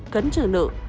cấn trừ nợ